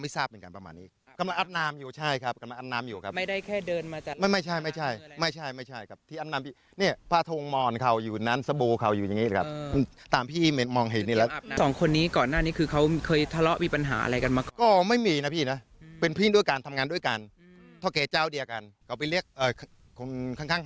ท่อเกเจ้าเดียวกันเขาไปเรียกคนข้างห้อง